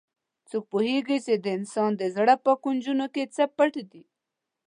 څوک پوهیږي چې د انسان د زړه په کونجونو کې څه پټ دي